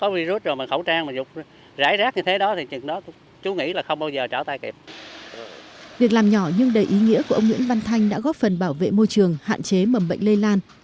việc làm nhỏ nhưng đầy ý nghĩa của ông nguyễn văn thanh đã góp phần bảo vệ môi trường hạn chế mầm bệnh lây lan